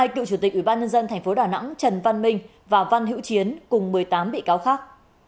hai cựu chủ tịch ủy ban nhân dân tp đà nẵng trần văn minh và văn hữu chiến cùng một mươi tám bị cáo khác